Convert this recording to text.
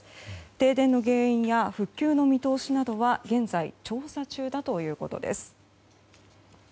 停電の原因や復旧の見通しなどは現在調査中だということです。